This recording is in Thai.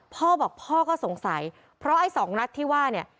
พ่อบอกพ่อก็สงสัยเพราะไอ้สองนัดที่ว่าเนี่ย